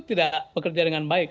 tidak bekerja dengan baik